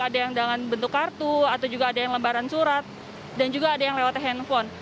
ada yang dengan bentuk kartu atau juga ada yang lembaran surat dan juga ada yang lewat handphone